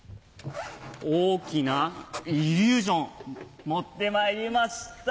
大きなイリュージョン持ってまいりました。